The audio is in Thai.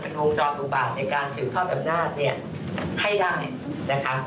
เป็นวงจรอุบาตในการสืบท่อธรรมนาฬให้ได้